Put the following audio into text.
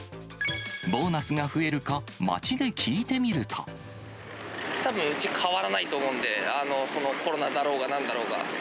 ボーナスが増えるか、街で聞いてたぶんうち、変わらないと思うんで、コロナだろうが、なんだろうが。